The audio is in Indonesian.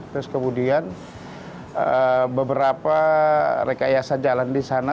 terus kemudian beberapa rekayasa jalan di sana